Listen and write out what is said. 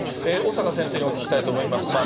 小坂先生にお聞きしたいと思います。